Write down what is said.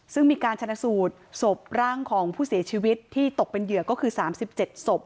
ซึ่งมีการชนะสูตรศพร่างของผู้เสียชีวิตที่ตกเป็นเหยื่อก็คือ๓๗ศพ